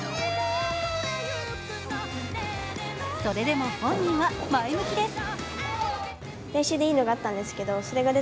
それでも本人は前向きです。